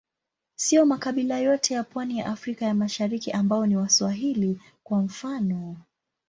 Siyo makabila yote ya pwani ya Afrika ya Mashariki ambao ni Waswahili, kwa mfano.